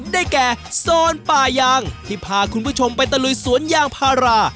ได้แก่โซนป่ายางที่พาคุณผู้ชมไปตะลุยสวนยางพารา